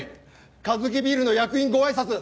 カヅキビールの役員ごあいさつ